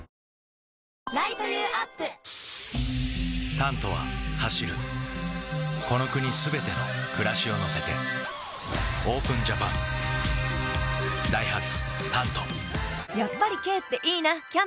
「タント」は走るこの国すべての暮らしを乗せてＯＰＥＮＪＡＰＡＮダイハツ「タント」やっぱり軽っていいなキャンペーン